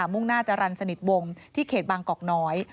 มุ่งหน้าจรรย์สนิทวงที่เขตบางกอกน้อย